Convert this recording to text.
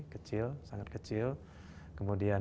kecil sangat kecil kemudian